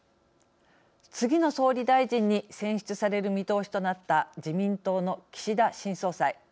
次の総理大臣に選出される見通しとなった自民党の岸田新総裁。